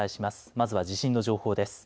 まずは地震の情報です。